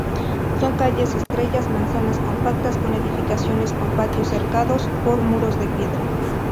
Son calles estrellas, manzanas compactas con edificaciones con patios, cercados por muros de piedra.